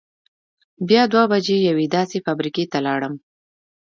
بیا دوه بجې یوې داسې فابرېکې ته لاړم.